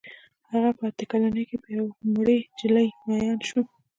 هغه په اته کلنۍ کې په یوې مړې نجلۍ مین شو